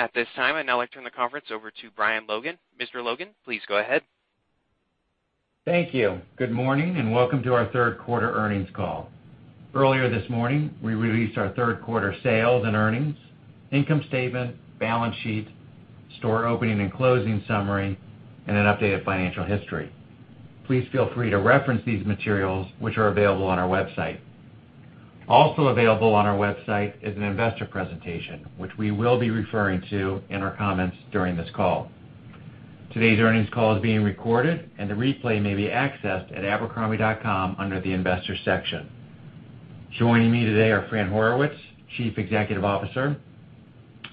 At this time, I'd now like to turn the conference over to Brian Logan. Mr. Logan, please go ahead. Thank you. Good morning, and welcome to our third quarter earnings call. Earlier this morning, we released our third quarter sales and earnings, income statement, balance sheet, store opening and closing summary, and an updated financial history. Please feel free to reference these materials, which are available on our website. Also available on our website is an investor presentation, which we will be referring to in our comments during this call. Today's earnings call is being recorded, and the replay may be accessed at abercrombie.com under the investors section. Joining me today are Fran Horowitz, Chief Executive Officer,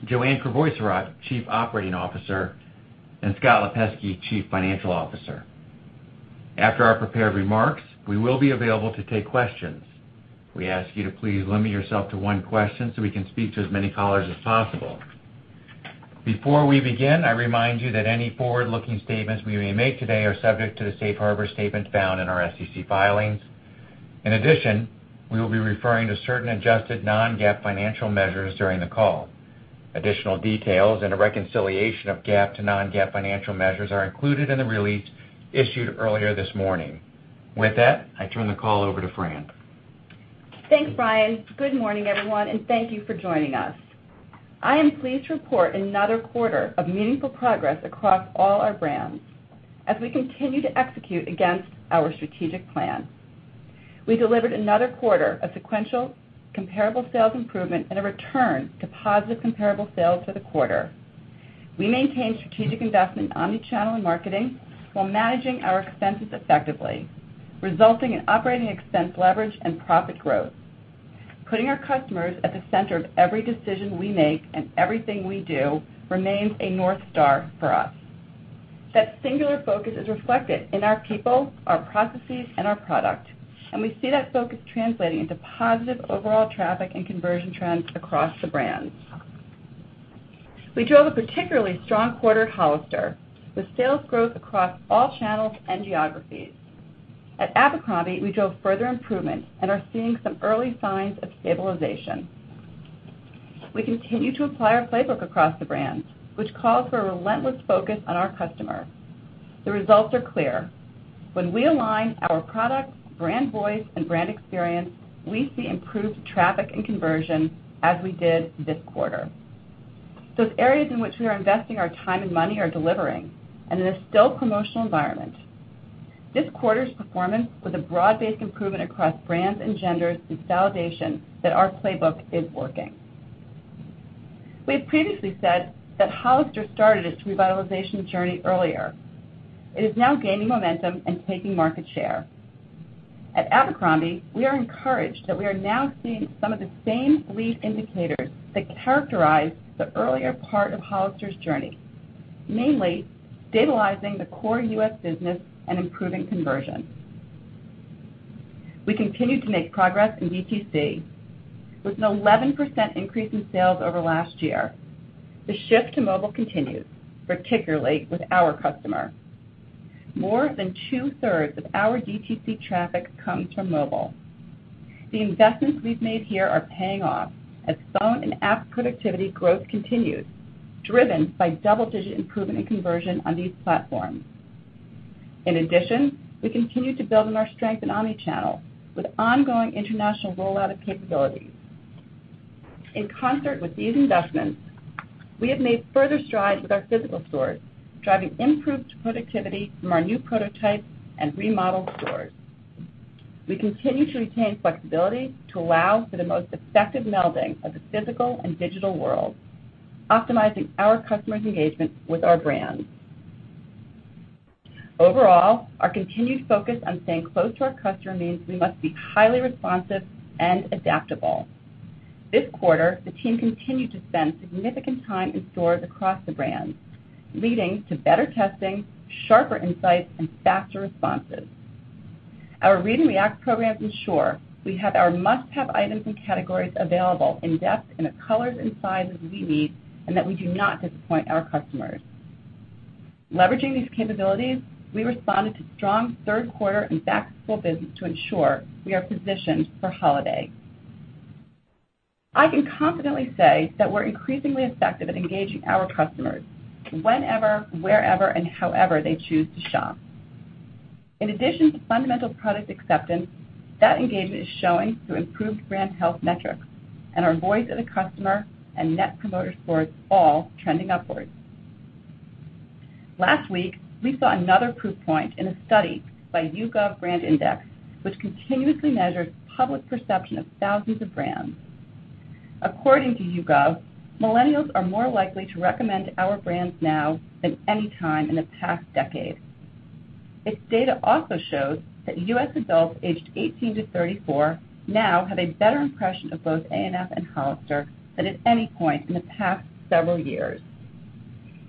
Joanne Crevoiserat, Chief Operating Officer, and Scott Lipesky, Chief Financial Officer. After our prepared remarks, we will be available to take questions. We ask you to please limit yourself to one question so we can speak to as many callers as possible. Before we begin, I remind you that any forward-looking statements we may make today are subject to the safe harbor statement found in our SEC filings. In addition, we will be referring to certain adjusted non-GAAP financial measures during the call. Additional details and a reconciliation of GAAP to non-GAAP financial measures are included in the release issued earlier this morning. With that, I turn the call over to Fran. Thanks, Brian. Good morning, everyone, and thank you for joining us. I am pleased to report another quarter of meaningful progress across all our brands as we continue to execute against our strategic plan. We delivered another quarter of sequential comparable sales improvement and a return to positive comparable sales for the quarter. We maintained strategic investment in omnichannel and marketing while managing our expenses effectively, resulting in operating expense leverage and profit growth. Putting our customers at the center of every decision we make and everything we do remains a North Star for us. That singular focus is reflected in our people, our processes, and our product, and we see that focus translating into positive overall traffic and conversion trends across the brands. We drove a particularly strong quarter at Hollister, with sales growth across all channels and geographies. At Abercrombie, we drove further improvement and are seeing some early signs of stabilization. We continue to apply our playbook across the brands, which calls for a relentless focus on our customer. The results are clear. When we align our product, brand voice, and brand experience, we see improved traffic and conversion as we did this quarter. The areas in which we are investing our time and money are delivering in a still promotional environment. This quarter's performance was a broad-based improvement across brands and genders is validation that our playbook is working. We have previously said that Hollister started its revitalization journey earlier. It is now gaining momentum and taking market share. At Abercrombie, we are encouraged that we are now seeing some of the same lead indicators that characterized the earlier part of Hollister's journey, mainly stabilizing the core U.S. business and improving conversion. We continue to make progress in DTC with an 11% increase in sales over last year. The shift to mobile continues, particularly with our customer. More than two-thirds of our DTC traffic comes from mobile. The investments we've made here are paying off as phone and app productivity growth continues, driven by double-digit improvement in conversion on these platforms. In addition, we continue to build on our strength in omnichannel with ongoing international rollout of capabilities. In concert with these investments, we have made further strides with our physical stores, driving improved productivity from our new prototypes and remodeled stores. We continue to retain flexibility to allow for the most effective melding of the physical and digital world, optimizing our customers' engagement with our brands. Overall, our continued focus on staying close to our customer means we must be highly responsive and adaptable. This quarter, the team continued to spend significant time in stores across the brands, leading to better testing, sharper insights, and faster responses. Our read and react programs ensure we have our must-have items and categories available in depth in the colors and sizes we need and that we do not disappoint our customers. Leveraging these capabilities, we responded to strong third quarter in back-to-school business to ensure we are positioned for holiday. I can confidently say that we're increasingly effective at engaging our customers whenever, wherever, and however they choose to shop. In addition to fundamental product acceptance, that engagement is showing through improved brand health metrics and our Voice of the Customer and Net Promoter Scores all trending upwards. Last week, we saw another proof point in a study by YouGov BrandIndex, which continuously measures public perception of thousands of brands. According to YouGov, millennials are more likely to recommend our brands now than any time in the past decade. Its data also shows that U.S. adults aged 18 to 34 now have a better impression of both A&F and Hollister than at any point in the past several years.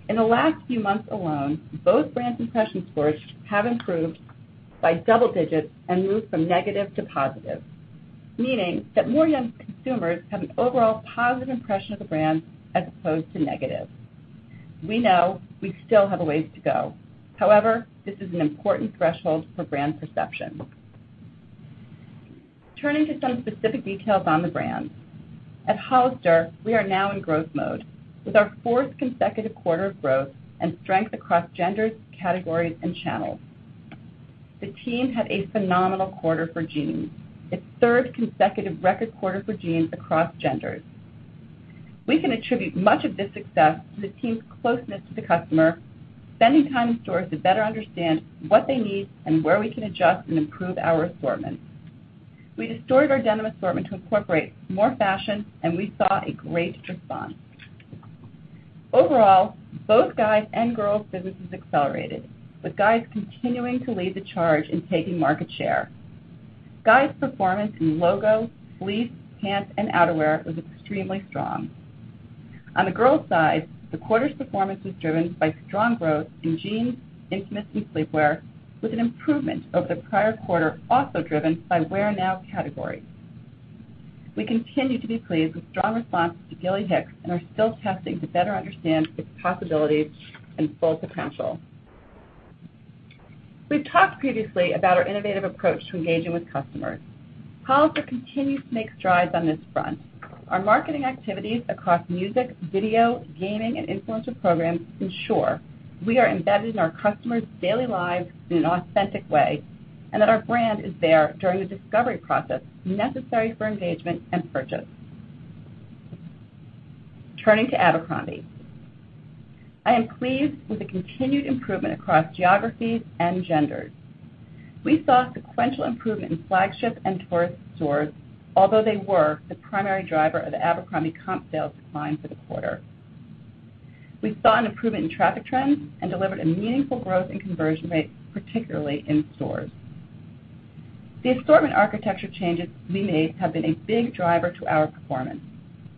In the last few months alone, both brand impression scores have improved by double digits and moved from negative to positive, meaning that more young consumers have an overall positive impression of the brand as opposed to negative. We know we still have a ways to go. However, this is an important threshold for brand perception. Turning to some specific details on the brands. At Hollister, we are now in growth mode, with our fourth consecutive quarter of growth and strength across genders, categories, and channels. The team had a phenomenal quarter for jeans, its third consecutive record quarter for jeans across genders. We can attribute much of this success to the team's closeness to the customer, spending time in stores to better understand what they need and where we can adjust and improve our assortment. We restored our denim assortment to incorporate more fashion, and we saw a great response. Overall, both guys and girls businesses accelerated, with guys continuing to lead the charge in taking market share. Guys performance in logo, fleece, pants, and outerwear was extremely strong. On the girls side, the quarter's performance was driven by strong growth in jeans, intimates, and sleepwear, with an improvement over the prior quarter, also driven by wear-now categories. We continue to be pleased with strong responses to Gilly Hicks and are still testing to better understand its possibilities and full potential. We've talked previously about our innovative approach to engaging with customers. Hollister continues to make strides on this front. Our marketing activities across music, video, gaming, and influencer programs ensure we are embedded in our customers' daily lives in an authentic way, and that our brand is there during the discovery process necessary for engagement and purchase. Turning to Abercrombie. I am pleased with the continued improvement across geographies and genders. We saw sequential improvement in flagship and tourist stores, although they were the primary driver of the Abercrombie comp sales decline for the quarter. We saw an improvement in traffic trends and delivered a meaningful growth in conversion rates, particularly in stores. The assortment architecture changes we made have been a big driver to our performance.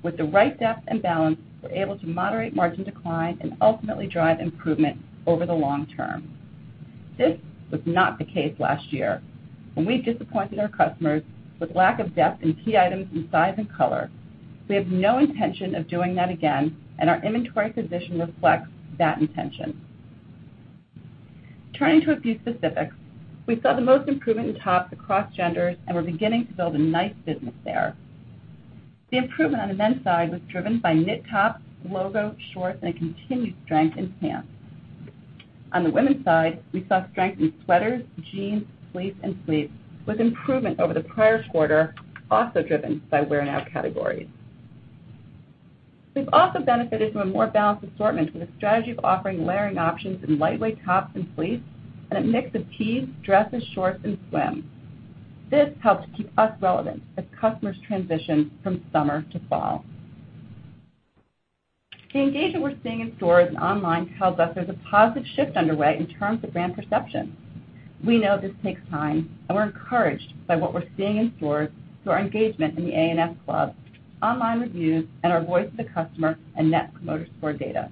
With the right depth and balance, we're able to moderate margin decline and ultimately drive improvement over the long term. This was not the case last year when we disappointed our customers with lack of depth in key items in size and color. We have no intention of doing that again, and our inventory position reflects that intention. Turning to a few specifics. We saw the most improvement in tops across genders, and we're beginning to build a nice business there. The improvement on the men's side was driven by knit tops, logo, shorts, and a continued strength in pants. On the women's side, we saw strength in sweaters, jeans, fleece, and sleep, with improvement over the prior quarter, also driven by wear-now categories. We've also benefited from a more balanced assortment with a strategy of offering layering options in lightweight tops and fleece, and a mix of tees, dresses, shorts, and swim. This helps keep us relevant as customers transition from summer to fall. The engagement we're seeing in stores and online tells us there's a positive shift underway in terms of brand perception. We know this takes time, and we're encouraged by what we're seeing in stores through our engagement in the A&F Club, online reviews, and our Voice of the Customer and Net Promoter Score data.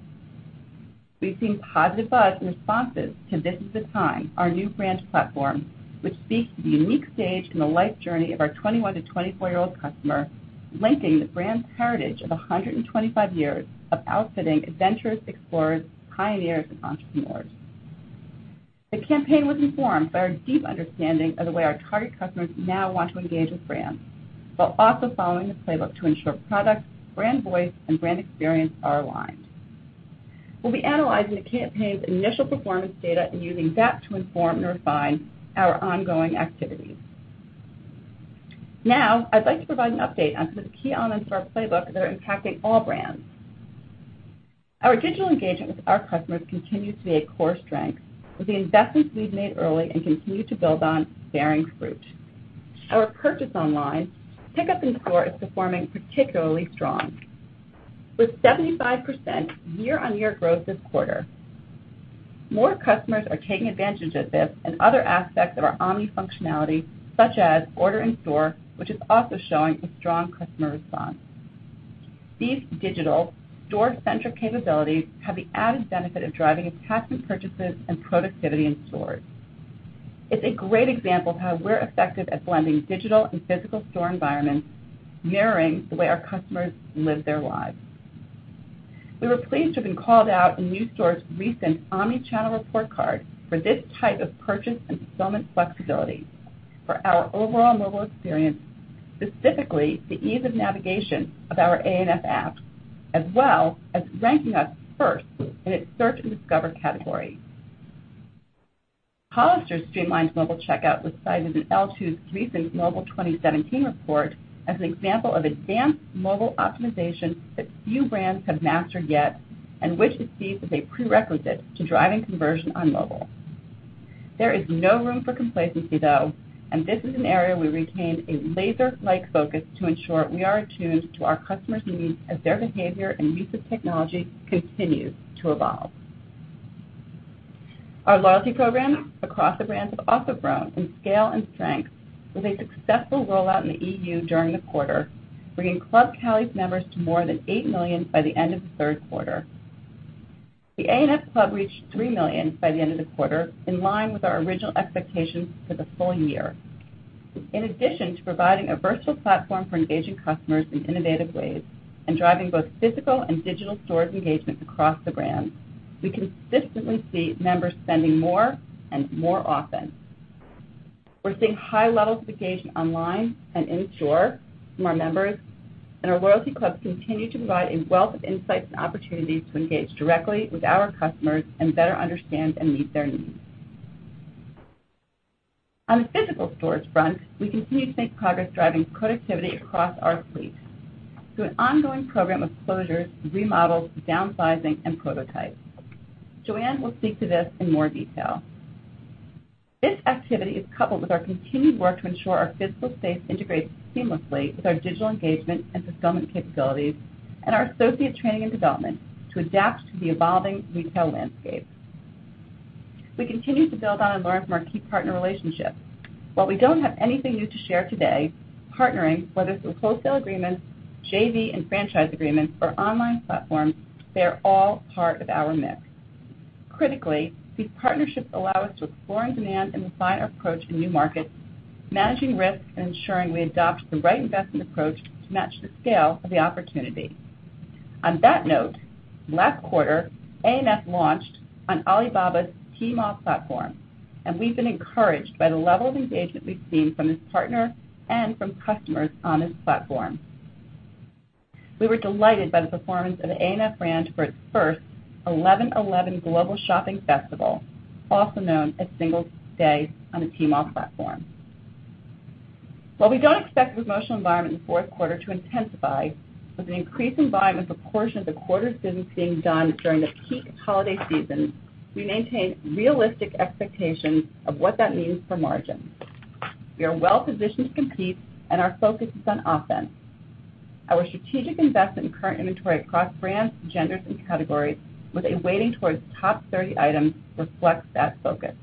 We've seen positive buzz and responses to This Is The Time, our new brand platform, which speaks to the unique stage in the life journey of our 21 to 24-year-old customer, linking the brand's heritage of 125 years of outfitting adventurous explorers, pioneers, and entrepreneurs. The campaign was informed by our deep understanding of the way our target customers now want to engage with brands, while also following the playbook to ensure product, brand voice, and brand experience are aligned. We'll be analyzing the campaign's initial performance data and using that to inform and refine our ongoing activities. Now, I'd like to provide an update on some of the key elements to our playbook that are impacting all brands. Our digital engagement with our customers continues to be a core strength, with the investments we've made early and continue to build on bearing fruit. Our purchase online pick up in store is performing particularly strong. With 75% year-on-year growth this quarter, more customers are taking advantage of this and other aspects of our omni functionality, such as order in store, which is also showing a strong customer response. These digital store-centric capabilities have the added benefit of driving attachment purchases and productivity in stores. It's a great example of how we're effective at blending digital and physical store environments, mirroring the way our customers live their lives. We were pleased to have been called out in NewStore's recent Omnichannel Report Card for this type of purchase and fulfillment flexibility for our overall mobile experience, specifically the ease of navigation of our A&F app, as well as ranking us 1st in its search and discover category. Hollister's streamlined mobile checkout was cited in L2's recent Mobile 2017 report as an example of advanced mobile optimization that few brands have mastered yet, and which it sees as a prerequisite to driving conversion on mobile. There is no room for complacency, though, and this is an area we retain a laser-like focus to ensure we are attuned to our customers' needs as their behavior and use of technology continues to evolve. Our loyalty programs across the brands have also grown in scale and strength with a successful rollout in the EU during the quarter, bringing Club Cali's members to more than 8 million by the end of the third quarter. The A&F Club reached 3 million by the end of the quarter, in line with our original expectations for the full year. In addition to providing a virtual platform for engaging customers in innovative ways and driving both physical and digital stores engagement across the brand. We consistently see members spending more and more often. We're seeing high levels of engagement online and in-store from our members, and our loyalty clubs continue to provide a wealth of insights and opportunities to engage directly with our customers and better understand and meet their needs. On the physical stores front, we continue to make progress driving productivity across our fleet through an ongoing program of closures, remodels, downsizing, and prototypes. Joanne will speak to this in more detail. This activity is coupled with our continued work to ensure our physical space integrates seamlessly with our digital engagement and fulfillment capabilities and our associate training and development to adapt to the evolving retail landscape. We continue to build on and learn from our key partner relationships. While we don't have anything new to share today, partnering, whether through wholesale agreements, JV and franchise agreements, or online platforms, they are all part of our mix. Critically, these partnerships allow us to explore new demand and refine our approach in new markets, managing risks, and ensuring we adopt the right investment approach to match the scale of the opportunity. On that note, last quarter, A&F launched on Alibaba's Tmall platform, and we've been encouraged by the level of engagement we've seen from this partner and from customers on this platform. We were delighted by the performance of the A&F brand for its first 11.11 global shopping festival, also known as Singles' Day, on the Tmall platform. While we don't expect the promotional environment in the fourth quarter to intensify, with an increasing by a portion of the quarter's business being done during the peak holiday season, we maintain realistic expectations of what that means for margin. We are well positioned to compete, and our focus is on offense. Our strategic investment in current inventory across brands, genders, and categories with a weighting towards top 30 items reflects that focus.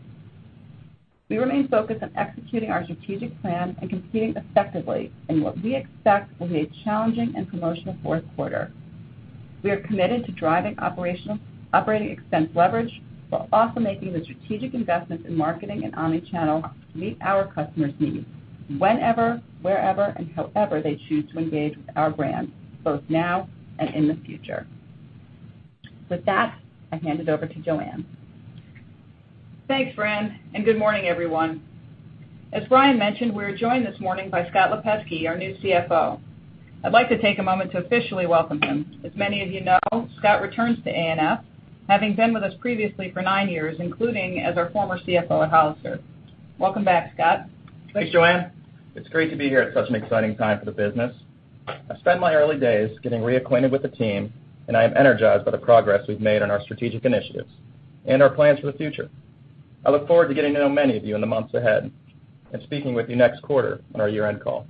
We remain focused on executing our strategic plan and competing effectively in what we expect will be a challenging and promotional fourth quarter. We are committed to driving operating expense leverage, while also making the strategic investments in marketing and omni-channel to meet our customers' needs whenever, wherever, and however they choose to engage with our brand, both now and in the future. With that, I hand it over to Joanne. Thanks, Fran, and good morning, everyone. As Fran mentioned, we're joined this morning by Scott Lipesky, our new CFO. I'd like to take a moment to officially welcome him. As many of you know, Scott returns to A&F, having been with us previously for nine years, including as our former CFO at Hollister. Welcome back, Scott. Thanks, Joanne. It's great to be here at such an exciting time for the business. I've spent my early days getting reacquainted with the team, and I am energized by the progress we've made on our strategic initiatives and our plans for the future. I look forward to getting to know many of you in the months ahead and speaking with you next quarter on our year-end call.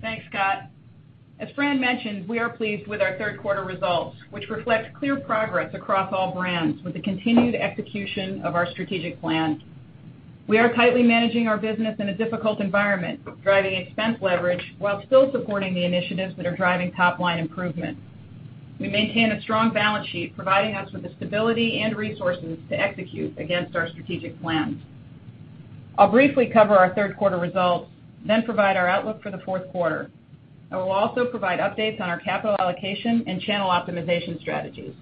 Thanks, Scott. As Fran mentioned, we are pleased with our third quarter results, which reflect clear progress across all brands with the continued execution of our strategic plan. We are tightly managing our business in a difficult environment, driving expense leverage while still supporting the initiatives that are driving top-line improvement. We maintain a strong balance sheet, providing us with the stability and resources to execute against our strategic plans. I'll briefly cover our third quarter results, then provide our outlook for the fourth quarter, and we'll also provide updates on our capital allocation and channel optimization strategies.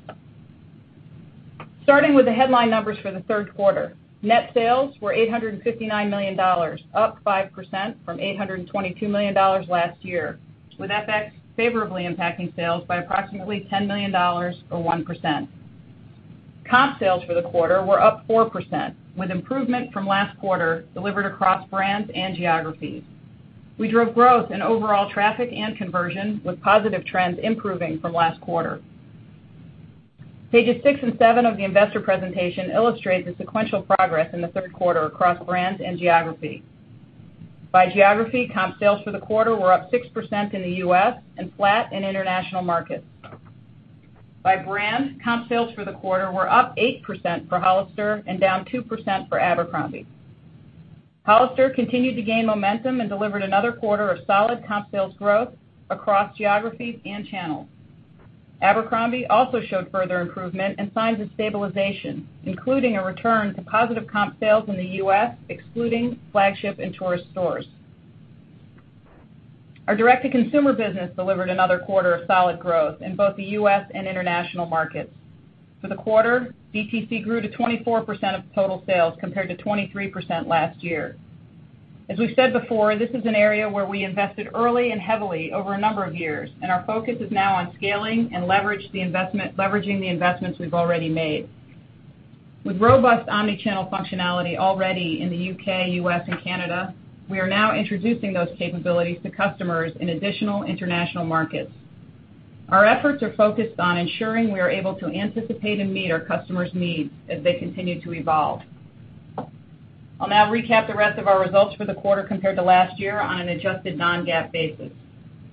Starting with the headline numbers for the third quarter. Net sales were $859 million, up 5% from $822 million last year, with FX favorably impacting sales by approximately $10 million, or 1%. Comp sales for the quarter were up 4%, with improvement from last quarter delivered across brands and geographies. We drove growth in overall traffic and conversion, with positive trends improving from last quarter. Pages six and seven of the investor presentation illustrate the sequential progress in the third quarter across brands and geography. By geography, comp sales for the quarter were up 6% in the U.S. and flat in international markets. By brand, comp sales for the quarter were up 8% for Hollister and down 2% for Abercrombie. Hollister continued to gain momentum and delivered another quarter of solid comp sales growth across geographies and channels. Abercrombie also showed further improvement and signs of stabilization, including a return to positive comp sales in the U.S., excluding flagship and tourist stores. Our direct-to-consumer business delivered another quarter of solid growth in both the U.S. and international markets. For the quarter, DTC grew to 24% of total sales, compared to 23% last year. As we've said before, this is an area where we invested early and heavily over a number of years, our focus is now on scaling and leveraging the investments we've already made. With robust omnichannel functionality already in the U.K., U.S., and Canada, we are now introducing those capabilities to customers in additional international markets. Our efforts are focused on ensuring we are able to anticipate and meet our customers' needs as they continue to evolve. I'll now recap the rest of our results for the quarter compared to last year on an adjusted non-GAAP basis.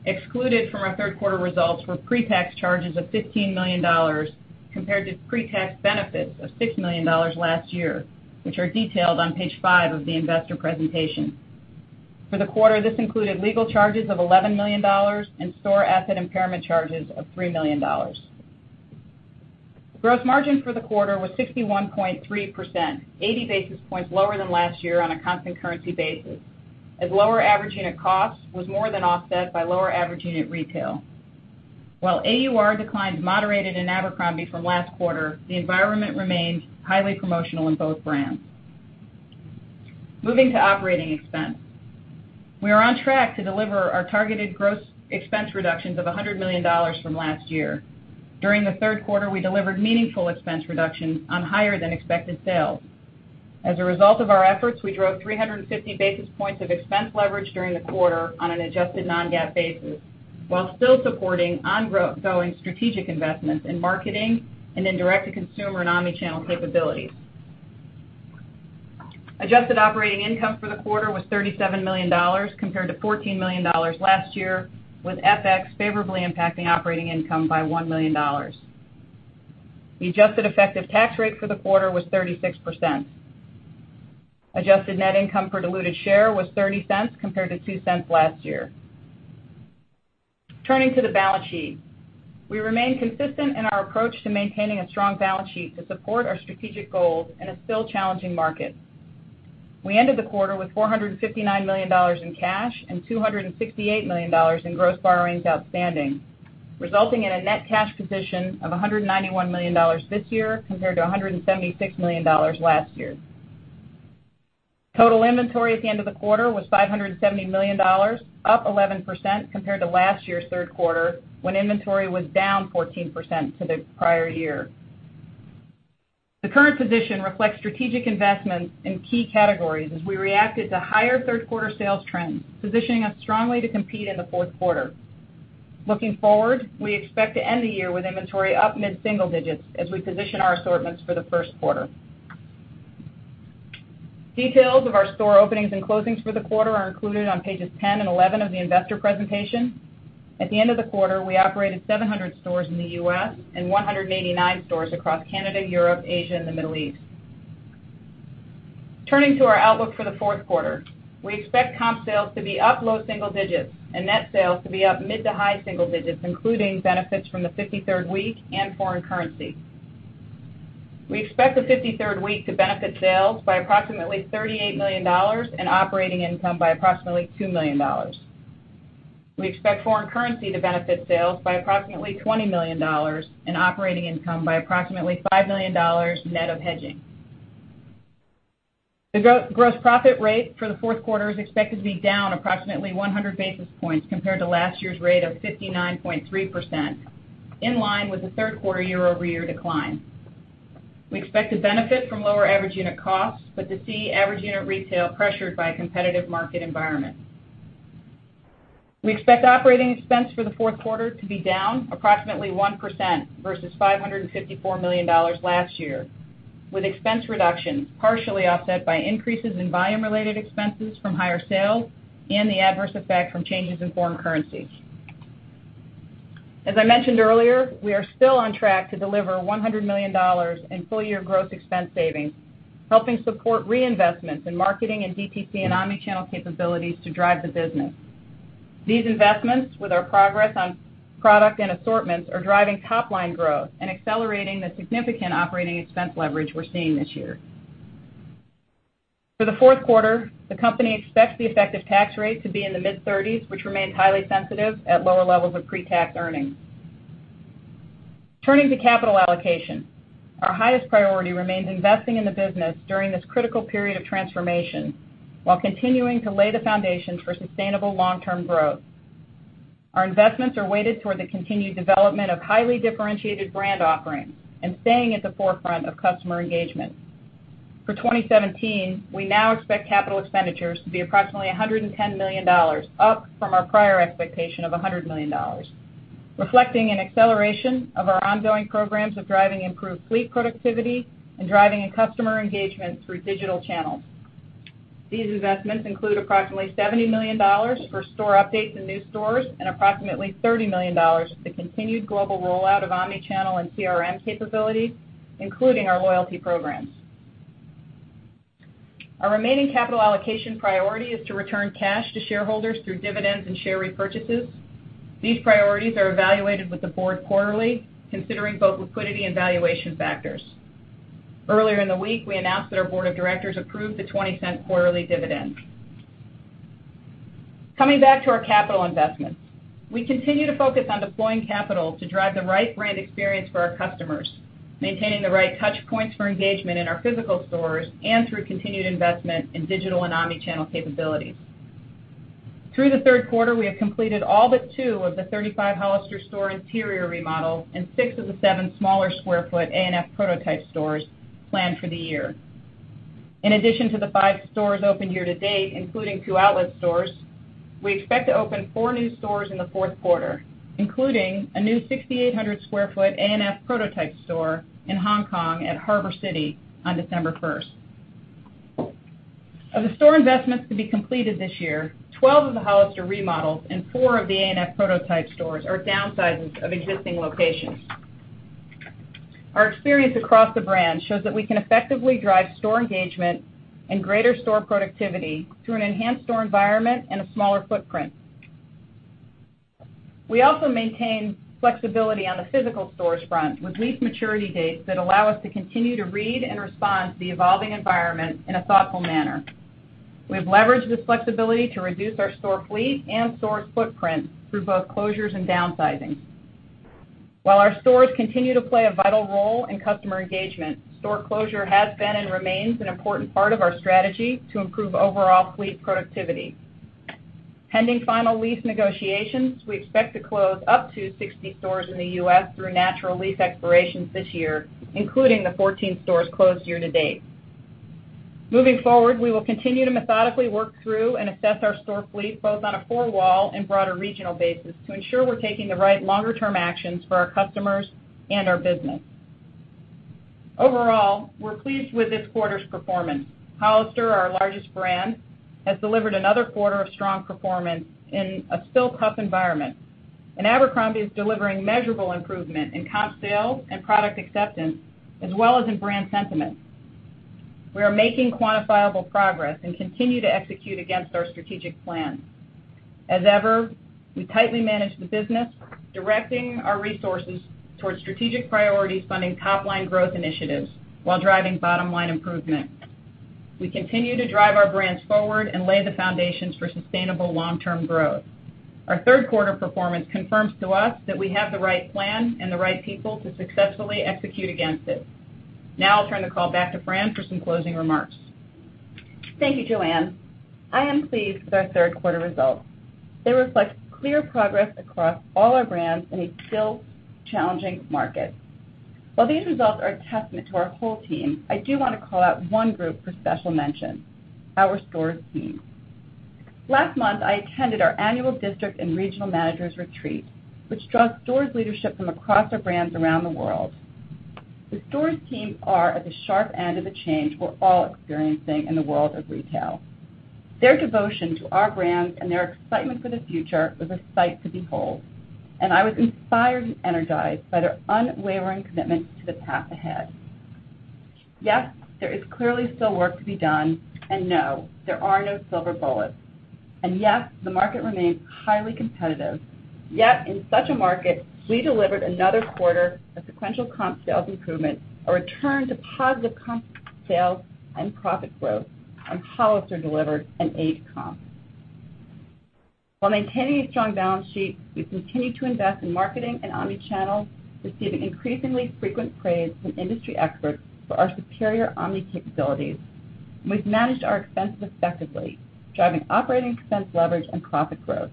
Excluded from our third quarter results were pre-tax charges of $15 million compared to pre-tax benefits of $6 million last year, which are detailed on page five of the investor presentation. For the quarter, this included legal charges of $11 million and store asset impairment charges of $3 million. Gross margin for the quarter was 61.3%, 80 basis points lower than last year on a constant currency basis, as lower average unit cost was more than offset by lower average unit retail. While AUR declines moderated in Abercrombie from last quarter, the environment remains highly promotional in both brands. Moving to operating expense. We are on track to deliver our targeted gross expense reductions of $100 million from last year. During the third quarter, we delivered meaningful expense reductions on higher-than-expected sales. A result of our efforts, we drove 350 basis points of expense leverage during the quarter on an adjusted non-GAAP basis, while still supporting ongoing strategic investments in marketing and in direct-to-consumer and omnichannel capabilities. Adjusted operating income for the quarter was $37 million compared to $14 million last year, with FX favorably impacting operating income by $1 million. The adjusted effective tax rate for the quarter was 36%. Adjusted net income per diluted share was $0.30 compared to $0.02 last year. Turning to the balance sheet. We remain consistent in our approach to maintaining a strong balance sheet to support our strategic goals in a still challenging market. We ended the quarter with $459 million in cash and $268 million in gross borrowings outstanding, resulting in a net cash position of $191 million this year compared to $176 million last year. Total inventory at the end of the quarter was $570 million, up 11% compared to last year's third quarter, when inventory was down 14% to the prior year. The current position reflects strategic investments in key categories as we reacted to higher third-quarter sales trends, positioning us strongly to compete in the fourth quarter. Looking forward, we expect to end the year with inventory up mid-single digits as we position our assortments for the first quarter. Details of our store openings and closings for the quarter are included on pages 10 and 11 of the investor presentation. Turning to our outlook for the fourth quarter. We expect comp sales to be up low single digits and net sales to be up mid to high single digits, including benefits from the 53rd week and foreign currency. We expect the 53rd week to benefit sales by approximately $38 million and operating income by approximately $2 million. We expect foreign currency to benefit sales by approximately $20 million and operating income by approximately $5 million net of hedging. The gross profit rate for the fourth quarter is expected to be down approximately 100 basis points compared to last year's rate of 59.3%, in line with the third quarter year-over-year decline. We expect to benefit from lower average unit costs, but to see average unit retail pressured by a competitive market environment. We expect operating expense for the fourth quarter to be down approximately 1% versus $554 million last year, with expense reductions partially offset by increases in volume-related expenses from higher sales and the adverse effect from changes in foreign currencies. As I mentioned earlier, we are still on track to deliver $100 million in full-year gross expense savings, helping support reinvestments in marketing and DTC and omnichannel capabilities to drive the business. These investments, with our progress on product and assortments, are driving top-line growth and accelerating the significant operating expense leverage we're seeing this year. For the fourth quarter, the company expects the effective tax rate to be in the mid-30s, which remains highly sensitive at lower levels of pre-tax earnings. Turning to capital allocation. Our highest priority remains investing in the business during this critical period of transformation while continuing to lay the foundation for sustainable long-term growth. Our investments are weighted toward the continued development of highly differentiated brand offerings and staying at the forefront of customer engagement. For 2017, we now expect capital expenditures to be approximately $110 million, up from our prior expectation of $100 million, reflecting an acceleration of our ongoing programs of driving improved fleet productivity and driving customer engagement through digital channels. These investments include approximately $70 million for store updates and new stores and approximately $30 million for the continued global rollout of omnichannel and CRM capabilities, including our loyalty programs. Our remaining capital allocation priority is to return cash to shareholders through dividends and share repurchases. These priorities are evaluated with the board quarterly, considering both liquidity and valuation factors. Earlier in the week, we announced that our board of directors approved the $0.20 quarterly dividend. Coming back to our capital investments. We continue to focus on deploying capital to drive the right brand experience for our customers, maintaining the right touch points for engagement in our physical stores and through continued investment in digital and omnichannel capabilities. Through the third quarter, we have completed all but two of the 35 Hollister store interior remodels and six of the seven smaller square foot A&F prototype stores planned for the year. In addition to the five stores opened year to date, including two outlet stores, we expect to open four new stores in the fourth quarter, including a new 6,800-square-foot A&F prototype store in Hong Kong at Harbor City on December 1st. Of the store investments to be completed this year, 12 of the Hollister remodels and four of the A&F prototype stores are downsizes of existing locations. Our experience across the brand shows that we can effectively drive store engagement and greater store productivity through an enhanced store environment and a smaller footprint. We also maintain flexibility on the physical stores front with lease maturity dates that allow us to continue to read and respond to the evolving environment in a thoughtful manner. We have leveraged this flexibility to reduce our store fleet and store footprint through both closures and downsizing. While our stores continue to play a vital role in customer engagement, store closure has been and remains an important part of our strategy to improve overall fleet productivity. Pending final lease negotiations, we expect to close up to 60 stores in the U.S. through natural lease expirations this year, including the 14 stores closed year-to-date. Moving forward, we will continue to methodically work through and assess our store fleet, both on a four-wall and broader regional basis, to ensure we're taking the right longer-term actions for our customers and our business. Overall, we're pleased with this quarter's performance. Hollister, our largest brand, has delivered another quarter of strong performance in a still tough environment. Abercrombie is delivering measurable improvement in comp sales and product acceptance, as well as in brand sentiment. We are making quantifiable progress and continue to execute against our strategic plan. As ever, we tightly manage the business, directing our resources towards strategic priorities, funding top-line growth initiatives while driving bottom-line improvement. We continue to drive our brands forward and lay the foundations for sustainable long-term growth. Our third quarter performance confirms to us that we have the right plan and the right people to successfully execute against it. Now I'll turn the call back to Fran for some closing remarks. Thank you, Joanne. I am pleased with our third quarter results. They reflect clear progress across all our brands in a still challenging market. While these results are a testament to the whole team, I do want to call out one group for special mention, our stores team. Last month, I attended our annual district and regional managers retreat, which draws stores leadership from across our brands around the world. The stores teams are at the sharp end of the change we're all experiencing in the world of retail. Their devotion to our brands and their excitement for the future was a sight to behold, and I was inspired and energized by their unwavering commitment to the path ahead. Yes, there is clearly still work to be done. No, there are no silver bullets. Yes, the market remains highly competitive. Yet, in such a market, we delivered another quarter of sequential comp sales improvement, a return to positive comp sales and profit growth, and Hollister delivered an eight comp. While maintaining a strong balance sheet, we've continued to invest in marketing and omnichannel, receiving increasingly frequent praise from industry experts for our superior omni capabilities. We've managed our expenses effectively, driving operating expense leverage and profit growth.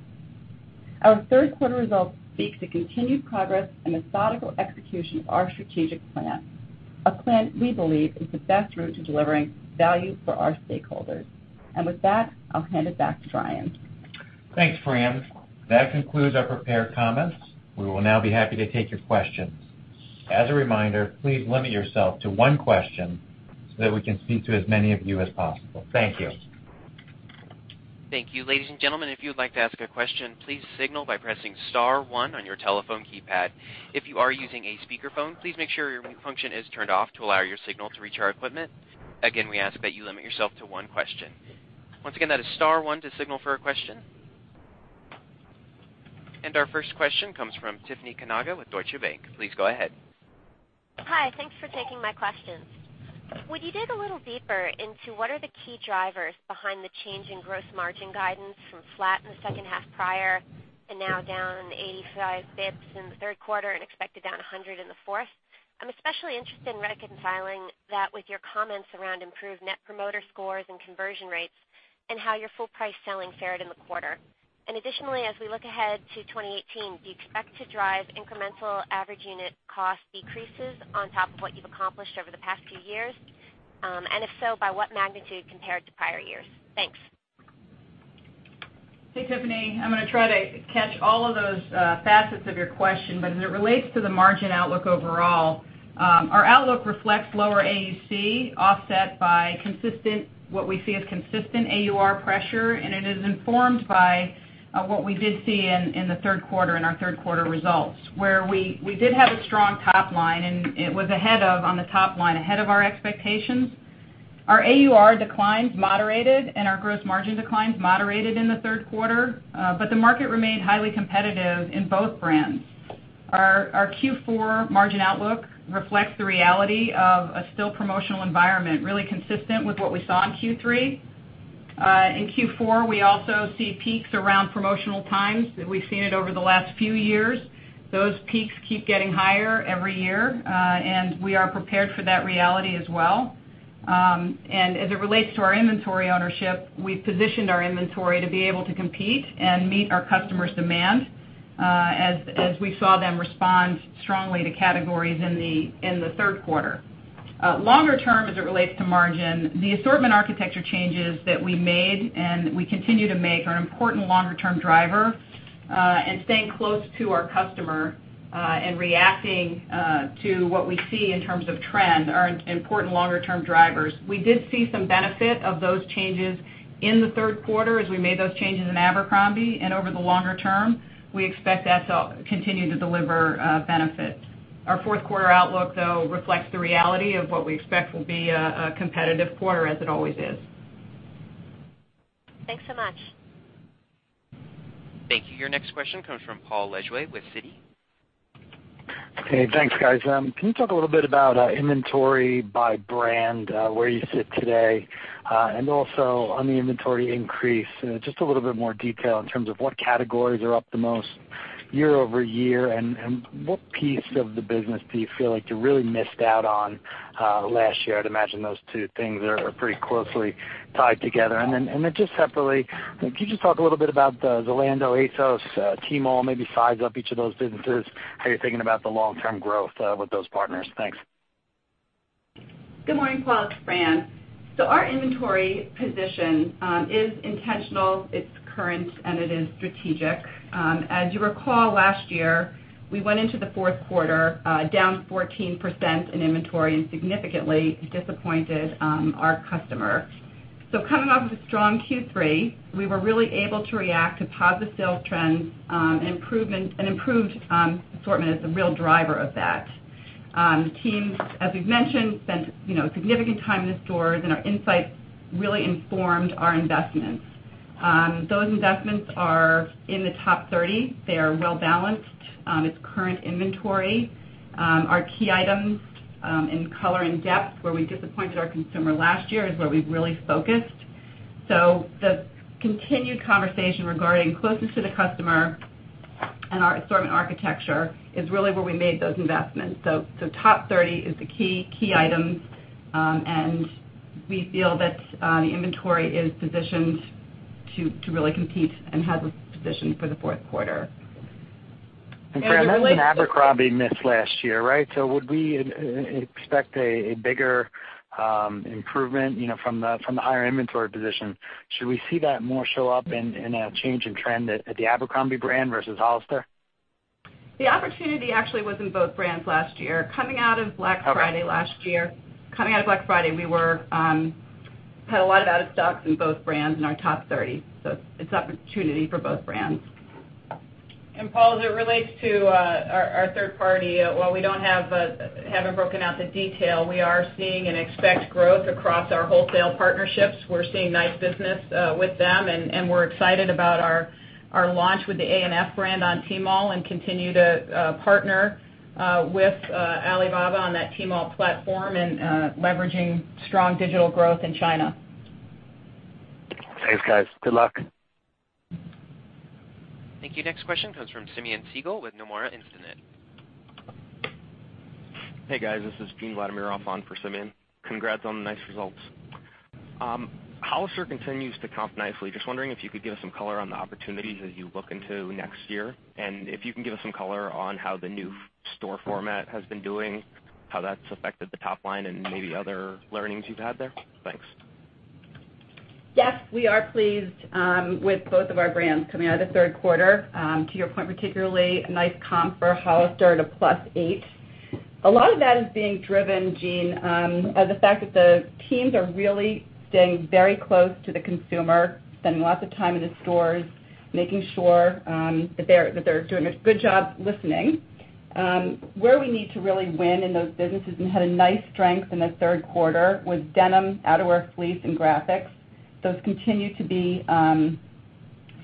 Our third quarter results speak to continued progress and methodical execution of our strategic plan. A plan we believe is the best route to delivering value for our stakeholders. With that, I'll hand it back to Brian. Thanks, Fran. That concludes our prepared comments. We will now be happy to take your questions. As a reminder, please limit yourself to one question so that we can speak to as many of you as possible. Thank you. Thank you. Ladies and gentlemen, if you would like to ask a question, please signal by pressing *1 on your telephone keypad. If you are using a speakerphone, please make sure your mute function is turned off to allow your signal to reach our equipment. Again, we ask that you limit yourself to one question. Once again, that is *1 to signal for a question. Our first question comes from Tiffany Kanaga with Deutsche Bank. Please go ahead. Hi. Thanks for taking my questions. Would you dig a little deeper into what are the key drivers behind the change in gross margin guidance from flat in the second half prior and now down 85 basis points in the third quarter and expected down 100 basis points in the fourth? I'm especially interested in reconciling that with your comments around improved net promoter scores and conversion rates and how your full price selling fared in the quarter. Additionally, as we look ahead to 2018, do you expect to drive incremental average unit cost decreases on top of what you've accomplished over the past few years? If so, by what magnitude compared to prior years? Thanks. Hey, Tiffany. I'm going to try to catch all of those facets of your question. As it relates to the margin outlook overall, our outlook reflects lower AUC offset by what we see as consistent AUR pressure, and it is informed by what we did see in the third quarter, in our third quarter results, where we did have a strong top line, and it was ahead of on the top line, ahead of our expectations. Our AUR declines moderated, and our gross margin declines moderated in the third quarter. The market remained highly competitive in both brands. Our Q4 margin outlook reflects the reality of a still promotional environment, really consistent with what we saw in Q3. In Q4, we also see peaks around promotional times. We've seen it over the last few years. Those peaks keep getting higher every year. We are prepared for that reality as well. As it relates to our inventory ownership, we've positioned our inventory to be able to compete and meet our customers' demand, as we saw them respond strongly to categories in the third quarter. Longer term, as it relates to margin, the assortment architecture changes that we made and we continue to make are an important longer-term driver. Staying close to our customer, and reacting to what we see in terms of trends are important longer-term drivers. We did see some benefit of those changes in the third quarter as we made those changes in Abercrombie. Over the longer term, we expect that to continue to deliver benefits. Our fourth quarter outlook, though, reflects the reality of what we expect will be a competitive quarter as it always is. Thanks so much. Thank you. Your next question comes from Paul Lejuez with Citi. Hey, thanks guys. Can you talk a little bit about inventory by brand, where you sit today, and also on the inventory increase, just a little bit more detail in terms of what categories are up the most year-over-year, and what piece of the business do you feel like you really missed out on last year? I'd imagine those two things are pretty closely tied together. Just separately, can you just talk a little bit about the Zalando, ASOS, Tmall, maybe size up each of those businesses, how you're thinking about the long-term growth with those partners. Thanks. Good morning, Paul. It's Fran. Our inventory position is intentional, it's current, and it is strategic. As you recall, last year, we went into the fourth quarter down 14% in inventory and significantly disappointed our customer. Coming off of a strong Q3, we were really able to react to positive sales trends, and improved assortment as the real driver of that. The teams, as we've mentioned, spent significant time in the stores, and our insights really informed our investments. Those investments are in the top 30. They are well-balanced. It's current inventory. Our key items in color and depth where we disappointed our consumer last year is where we've really focused. The continued conversation regarding closeness to the customer and our assortment architecture is really where we made those investments. Top 30 is the key items, and we feel that the inventory is positioned to really compete and has a position for the fourth quarter. Fran, there was an Abercrombie miss last year, right? Would we expect a bigger improvement from the higher inventory position? Should we see that more show up in a change in trend at the Abercrombie brand versus Hollister? The opportunity actually was in both brands last year. Coming out of Black Friday last year, we had a lot of out of stocks in both brands in our top 30. It's an opportunity for both brands. Paul, as it relates to our third party, while we haven't broken out the detail, we are seeing and expect growth across our wholesale partnerships. We're seeing nice business with them, and we're excited about our launch with the ANF brand on Tmall and continue to partner with Alibaba on that Tmall platform and leveraging strong digital growth in China. Thanks, guys. Good luck. Thank you. Next question comes from Simeon Siegel with Nomura Instinet. Hey, guys, this is Gene Vladimirov on for Simeon. Congrats on the nice results. Hollister continues to comp nicely. Just wondering if you could give us some color on the opportunities as you look into next year, and if you can give us some color on how the new store format has been doing, how that's affected the top line, and maybe other learnings you've had there. Thanks. Yes, we are pleased with both of our brands coming out of the third quarter. To your point, particularly a nice comp for Hollister at a +8%. A lot of that is being driven, Gene, by the fact that the teams are really staying very close to the consumer, spending lots of time in the stores, making sure that they're doing a good job listening. Where we need to really win in those businesses, and had a nice strength in the third quarter, was denim, outerwear, fleece, and graphics. Those continue to be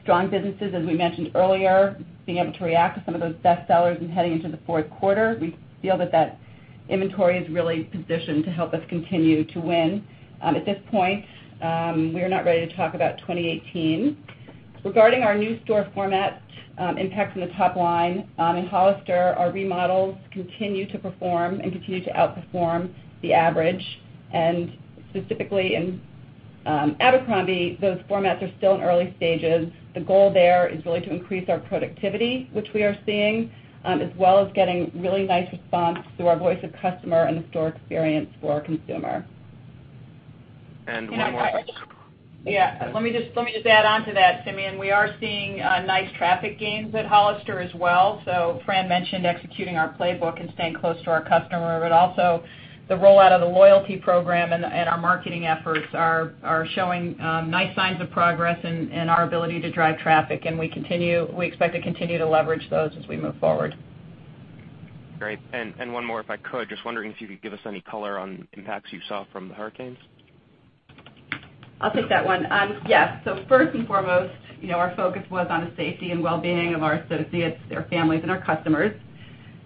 strong businesses, as we mentioned earlier, being able to react to some of those best sellers and heading into the fourth quarter. We feel that that inventory is really positioned to help us continue to win. At this point, we are not ready to talk about 2018. Regarding our new store format impact on the top line, in Hollister, our remodels continue to perform and continue to outperform the average. Specifically in Abercrombie, those formats are still in early stages. The goal there is really to increase our productivity, which we are seeing, as well as getting really nice response through our Voice of Customer and the store experience for our consumer. One more. Yeah. Let me just add on to that, Simeon. We are seeing nice traffic gains at Hollister as well. Fran mentioned executing our playbook and staying close to our customer, but also the rollout of the loyalty program and our marketing efforts are showing nice signs of progress in our ability to drive traffic, and we expect to continue to leverage those as we move forward. Great. One more, if I could. Just wondering if you could give us any color on impacts you saw from the hurricanes. I'll take that one. Yes. First and foremost, our focus was on the safety and well-being of our associates, their families, and our customers.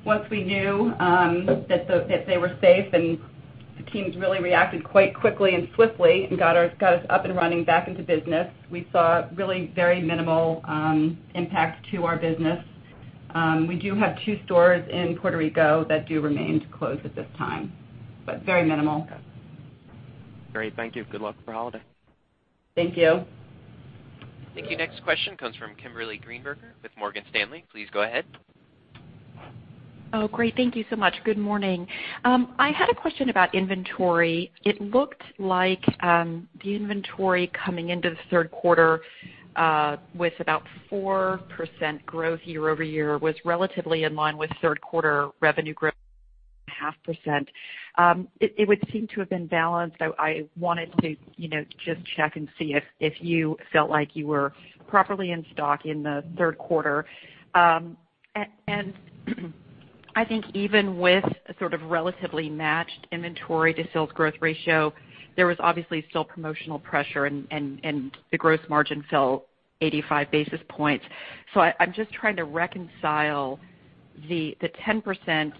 Once we knew that they were safe, and the teams really reacted quite quickly and swiftly and got us up and running back into business. We saw really very minimal impact to our business. We do have two stores in Puerto Rico that do remain closed at this time, but very minimal. Great, thank you. Good luck for holiday. Thank you. Thank you. Next question comes from Kimberly Greenberger with Morgan Stanley. Please go ahead. Great. Thank you so much. Good morning. I had a question about inventory. It looked like the inventory coming into the third quarter, with about 4% growth year-over-year, was relatively in line with third quarter revenue growth half percent. It would seem to have been balanced. I wanted to just check and see if you felt like you were properly in stock in the third quarter. I think even with a sort of relatively matched inventory to sales growth ratio, there was obviously still promotional pressure and the gross margin fell 85 basis points. I'm just trying to reconcile the 10%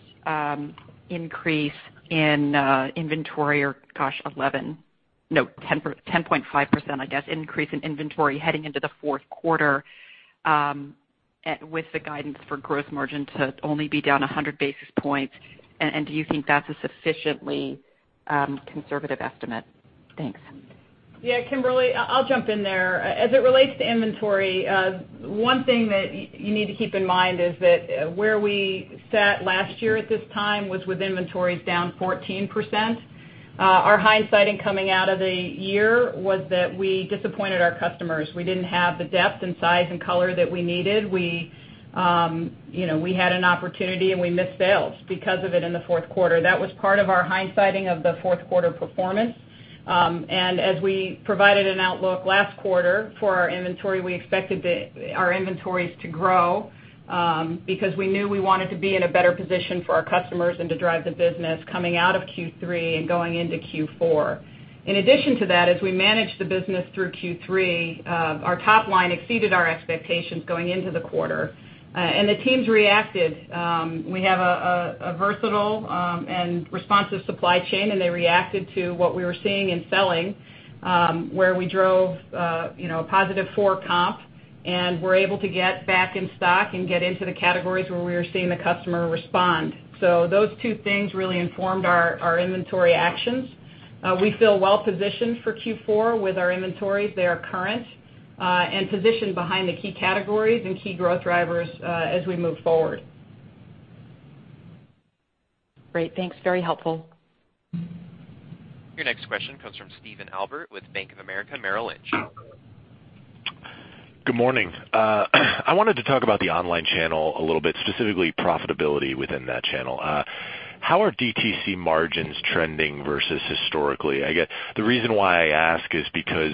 increase in inventory or, 10.5%, I guess, increase in inventory heading into the fourth quarter, with the guidance for gross margin to only be down 100 basis points. Do you think that's a sufficiently conservative estimate? Thanks. Kimberly, I'll jump in there. As it relates to inventory, one thing that you need to keep in mind is that where we sat last year at this time was with inventories down 14%. Our hindsight in coming out of the year was that we disappointed our customers. We didn't have the depth and size and color that we needed. We had an opportunity, and we missed sales because of it in the fourth quarter. That was part of our hindsighting of the fourth quarter performance. As we provided an outlook last quarter for our inventory, we expected our inventories to grow, because we knew we wanted to be in a better position for our customers and to drive the business coming out of Q3 and going into Q4. In addition to that, as we managed the business through Q3, our top line exceeded our expectations going into the quarter. The teams reacted. We have a versatile and responsive supply chain, and they reacted to what we were seeing and selling, where we drove a positive 4 comp, and were able to get back in stock and get into the categories where we were seeing the customer respond. Those two things really informed our inventory actions. We feel well positioned for Q4 with our inventories. They are current and positioned behind the key categories and key growth drivers as we move forward. Great. Thanks. Very helpful. Your next question comes from Stephen Albert with Bank of America Merrill Lynch. Good morning. I wanted to talk about the online channel a little bit, specifically profitability within that channel. How are DTC margins trending versus historically? I guess the reason why I ask is because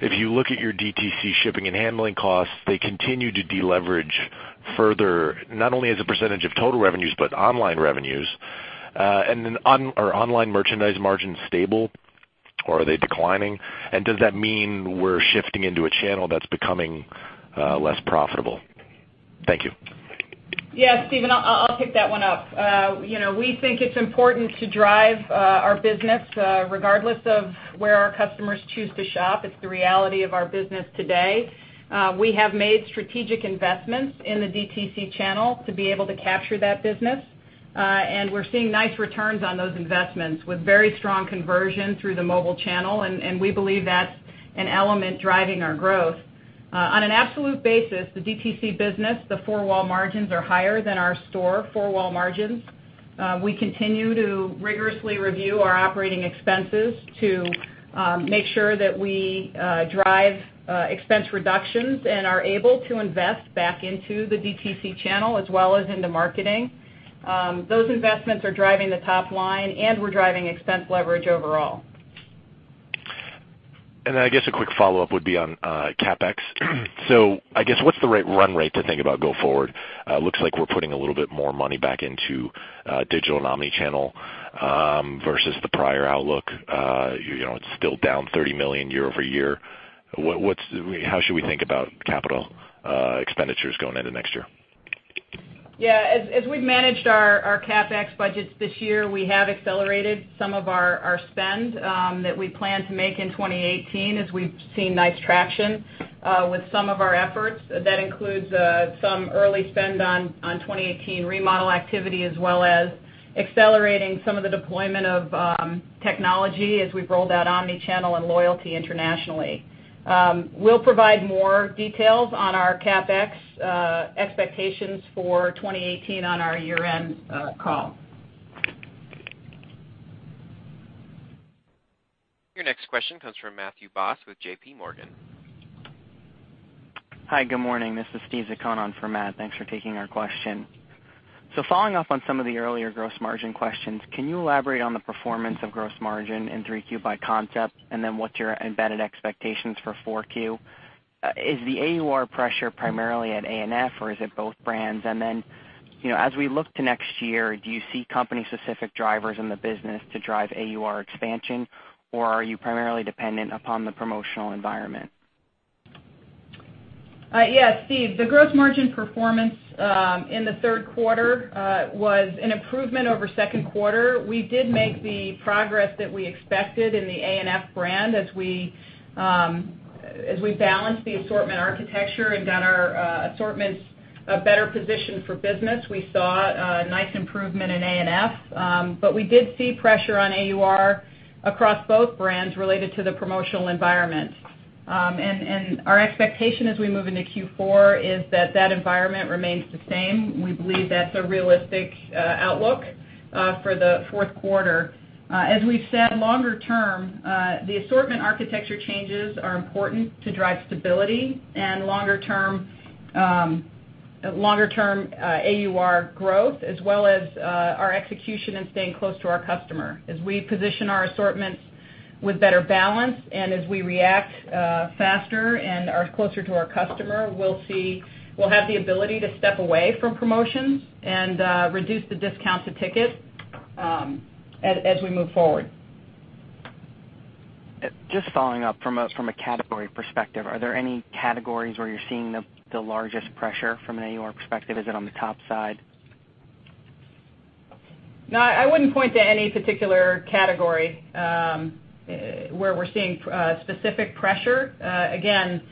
if you look at your DTC shipping and handling costs, they continue to deleverage further, not only as a percentage of total revenues, but online revenues. Are online merchandise margins stable, or are they declining? Does that mean we're shifting into a channel that's becoming less profitable? Thank you. Yeah, Stephen, I'll pick that one up. We think it's important to drive our business, regardless of where our customers choose to shop. It's the reality of our business today. We have made strategic investments in the DTC channel to be able to capture that business. We're seeing nice returns on those investments with very strong conversion through the mobile channel, and we believe that's an element driving our growth. On an absolute basis, the DTC business, the four-wall margins are higher than our store four-wall margins. We continue to rigorously review our operating expenses to make sure that we drive expense reductions and are able to invest back into the DTC channel as well as into marketing. Those investments are driving the top line, we're driving expense leverage overall. I guess a quick follow-up would be on CapEx. I guess what's the run rate to think about go forward? Looks like we're putting a little bit more money back into digital and omnichannel, versus the prior outlook. It's still down $30 million year-over-year. How should we think about capital expenditures going into next year? As we've managed our CapEx budgets this year, we have accelerated some of our spend that we plan to make in 2018, as we've seen nice traction with some of our efforts. That includes some early spend on 2018 remodel activity, as well as accelerating some of the deployment of technology as we've rolled out omnichannel and loyalty internationally. We'll provide more details on our CapEx expectations for 2018 on our year-end call. Your next question comes from Matthew Boss with JPMorgan. Hi, good morning. This is Steve Zaccone for Matt. Thanks for taking our question. Following up on some of the earlier gross margin questions, can you elaborate on the performance of gross margin in Q3 by concept, then what's your embedded expectations for Q4? Is the AUR pressure primarily at ANF, or is it both brands? Then, as we look to next year, do you see company-specific drivers in the business to drive AUR expansion, or are you primarily dependent upon the promotional environment? Yeah, Steve, the gross margin performance in the third quarter was an improvement over second quarter. We did make the progress that we expected in the ANF brand as we balanced the assortment architecture and got our assortments better positioned for business. We saw a nice improvement in ANF. We did see pressure on AUR across both brands related to the promotional environment. Our expectation as we move into Q4 is that that environment remains the same. We believe that's a realistic outlook for the fourth quarter. As we've said, longer term, the assortment architecture changes are important to drive stability and longer term AUR growth as well as our execution and staying close to our customer. As we position our assortments with better balance, and as we react faster and are closer to our customer, we'll have the ability to step away from promotions and reduce the discounts to ticket as we move forward. Just following up from a category perspective, are there any categories where you're seeing the largest pressure from an AUR perspective? Is it on the top side? No, I wouldn't point to any particular category where we're seeing specific pressure. Again,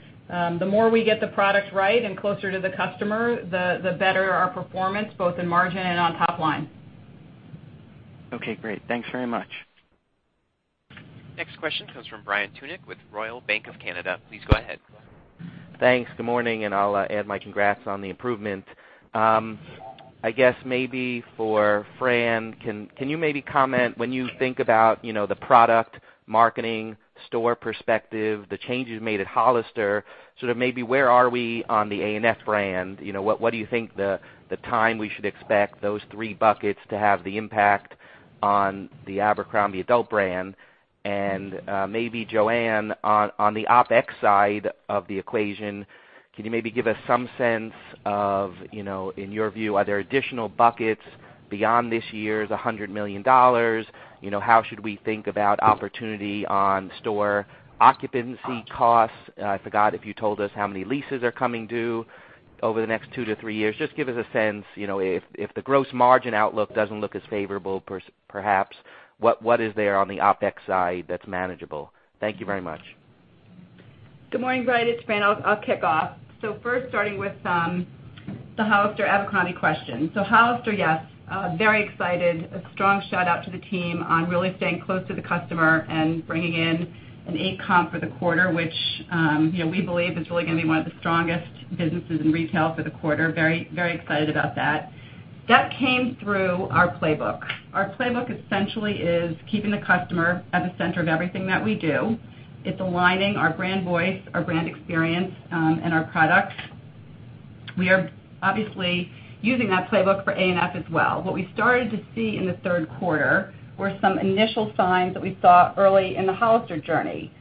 the more we get the product right and closer to the customer, the better our performance, both in margin and on top line. Okay, great. Thanks very much. Next question comes from Brian Tunick with Royal Bank of Canada. Please go ahead. Thanks. Good morning. I'll add my congrats on the improvement. I guess maybe for Fran, can you maybe comment when you think about the product marketing store perspective, the changes made at Hollister, sort of maybe where are we on the ANF brand? What do you think the time we should expect those three buckets to have the impact on the Abercrombie adult brand? Maybe Joanne, on the OpEx side of the equation, can you maybe give us some sense of, in your view, are there additional buckets beyond this year's $100 million? How should we think about opportunity on store occupancy costs? I forgot if you told us how many leases are coming due over the next two to three years. Just give us a sense, if the gross margin outlook doesn't look as favorable, perhaps, what is there on the OpEx side that's manageable? Thank you very much. Good morning, Brian. It's Fran. I'll kick off. First, starting with the Hollister Abercrombie question. Hollister, yes. Very excited. A strong shout-out to the team on really staying close to the customer and bringing in an 8 comp for the quarter, which we believe is really going to be one of the strongest businesses in retail for the quarter. Very excited about that. That came through our playbook. Our playbook essentially is keeping the customer at the center of everything that we do. It's aligning our brand voice, our brand experience, and our products. We are obviously using that playbook for ANF as well. What we started to see in the third quarter were some initial signs that we saw early in the Hollister journey,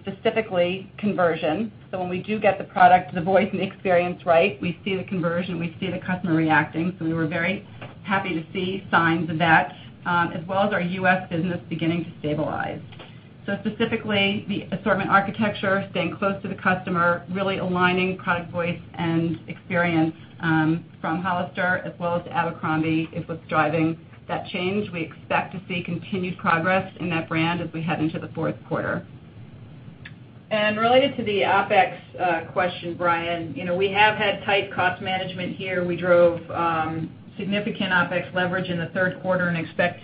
specifically conversion. When we do get the product, the voice, and the experience right, we see the conversion, we see the customer reacting. We were very happy to see signs of that, as well as our U.S. business beginning to stabilize. Specifically, the assortment architecture, staying close to the customer, really aligning product voice and experience from Hollister as well as Abercrombie is what's driving that change. We expect to see continued progress in that brand as we head into the fourth quarter. Related to the OpEx question, Brian, we have had tight cost management here. We drove significant OpEx leverage in the third quarter and expect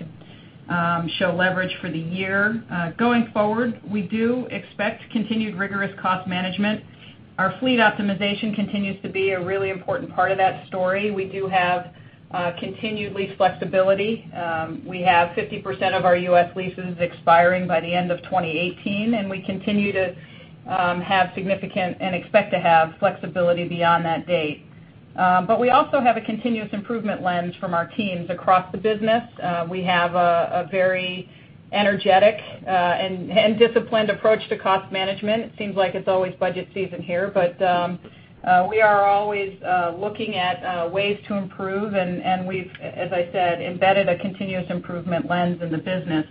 to show leverage for the year. Going forward, we do expect continued rigorous cost management. Our fleet optimization continues to be a really important part of that story. We do have continued lease flexibility. We have 50% of our U.S. leases expiring by the end of 2018, and we continue to have significant and expect to have flexibility beyond that date. We also have a continuous improvement lens from our teams across the business. We have a very energetic and disciplined approach to cost management. It seems like it's always budget season here, we are always looking at ways to improve, and we've, as I said, embedded a continuous improvement lens in the business.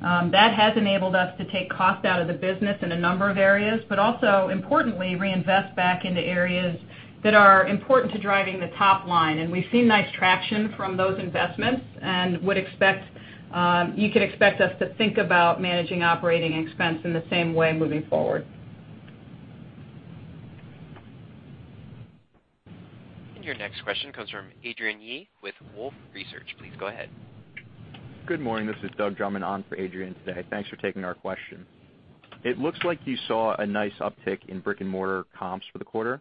That has enabled us to take cost out of the business in a number of areas, but also importantly, reinvest back into areas that are important to driving the top line. We've seen nice traction from those investments and you could expect us to think about managing operating expense in the same way moving forward. Your next question comes from Adrienne Yih with Wolfe Research. Please go ahead. Good morning. This is Doug Drummond on for Adrienne today. Thanks for taking our question. It looks like you saw a nice uptick in brick-and-mortar comps for the quarter.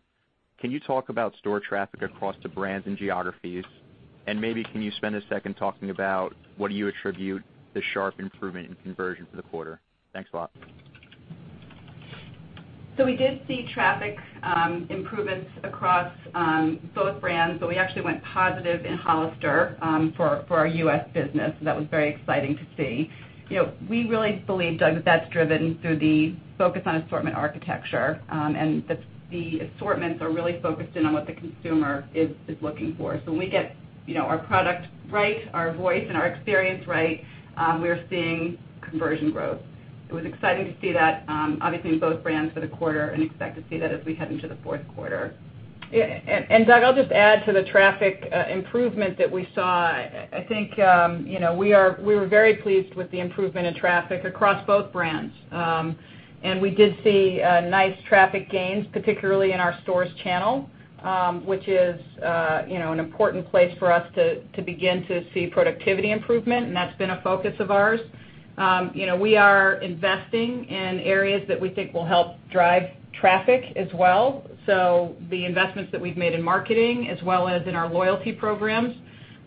Can you talk about store traffic across the brands and geographies? Maybe can you spend a second talking about what do you attribute the sharp improvement in conversion for the quarter? Thanks a lot. We did see traffic improvements across both brands, but we actually went positive in Hollister for our U.S. business. That was very exciting to see. We really believe, Doug, that's driven through the focus on assortment architecture, and the assortments are really focused in on what the consumer is looking for. We get our product right, our voice, and our experience right, we're seeing conversion growth. It was exciting to see that obviously in both brands for the quarter and expect to see that as we head into the fourth quarter. Doug, I'll just add to the traffic improvement that we saw. I think we were very pleased with the improvement in traffic across both brands. We did see nice traffic gains, particularly in our stores channel, which is an important place for us to begin to see productivity improvement, and that's been a focus of ours. We are investing in areas that we think will help drive traffic as well. The investments that we've made in marketing as well as in our loyalty programs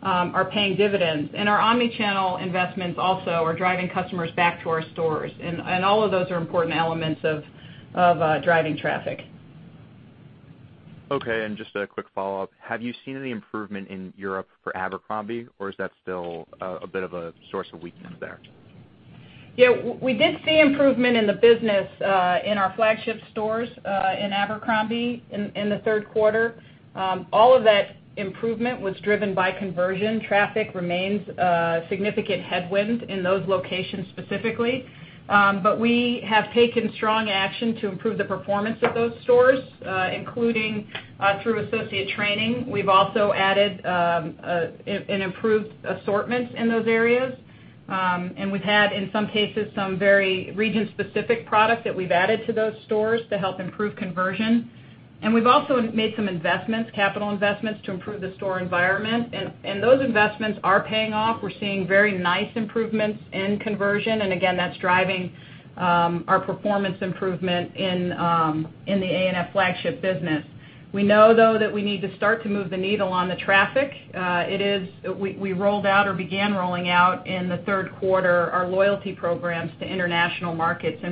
are paying dividends. Our omnichannel investments also are driving customers back to our stores. All of those are important elements of driving traffic. Just a quick follow-up. Have you seen any improvement in Europe for Abercrombie, or is that still a bit of a source of weakness there? We did see improvement in the business in our flagship stores in Abercrombie in the third quarter. All of that improvement was driven by conversion. Traffic remains a significant headwind in those locations specifically. We have taken strong action to improve the performance of those stores, including through associate training. We've also added an improved assortment in those areas. We've had, in some cases, some very region-specific product that we've added to those stores to help improve conversion. We've also made some capital investments to improve the store environment. Those investments are paying off. We're seeing very nice improvements in conversion. Again, that's driving our performance improvement in the A&F flagship business. We know, though, that we need to start to move the needle on the traffic. We rolled out or began rolling out in the third quarter our loyalty programs to international markets.